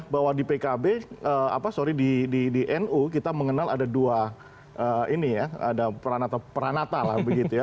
bahwa di pkb apa sorry di nu kita mengenal ada dua ini ya ada peranata peranata lah begitu ya